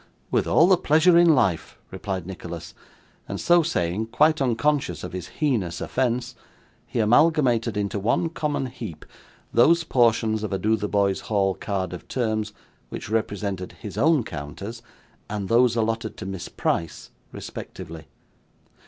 'With all the pleasure in life,' replied Nicholas. And so saying, quite unconscious of his heinous offence, he amalgamated into one common heap those portions of a Dotheboys Hall card of terms, which represented his own counters, and those allotted to Miss Price, respectively.